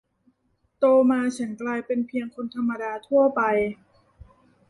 โตมาฉันกลายเป็นเพียงคนธรรมดาทั่วไป